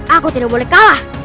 aku tidak boleh kalah